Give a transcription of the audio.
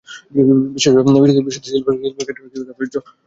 তুমি এখানেই থাকবা।